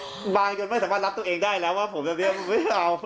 สบายจนไม่สามารถรับตัวเองได้แล้วว่าผมแบบนี้ไม่เอา